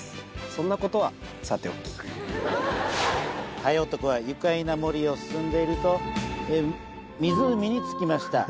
そんなことはさておきハエ男は愉快な森を進んでいると湖に着きました